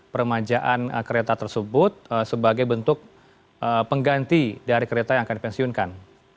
permajaan kereta tersebut sebagai bentuk pengganti dari kereta yang akan dipensiunkan